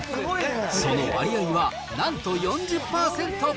その割合は、なんと４０％。